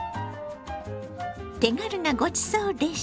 手軽なごちそうレシピ。